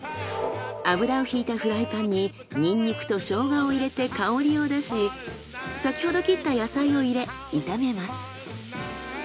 油を引いたフライパンにニンニクとショウガを入れて香りを出し先ほど切った野菜を入れ炒めます。